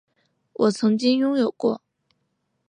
我曾经拥有过